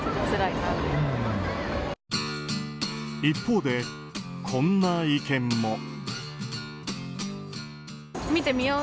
一方で、こんな意見も。